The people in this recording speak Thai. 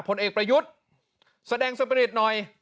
พลเอกประยุจันทร์แสดงสมบัติหน่อย